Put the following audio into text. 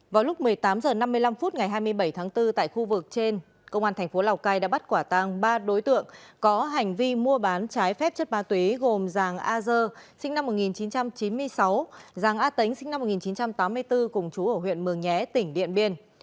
vào lúc một mươi tám h năm mươi năm phút ngày hai mươi bảy tháng bốn tại khu vực trên công an thành phố lào cai đã bắt quả tàng ba đối tượng có hành vi mua bán trái phép chất ma túy gồm giàng a dơ sinh năm một nghìn chín trăm chín mươi sáu giàng a tính sinh năm một nghìn chín trăm tám mươi bốn cùng chú ở huyện mường nhé tỉnh điện biên